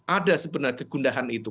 ada sebenarnya kegundahan itu